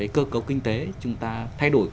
cơ cấu kinh tế chúng ta thay đổi